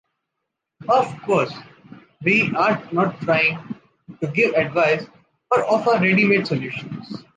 Of course, we are not trying to give advice or offer ready-made solutions.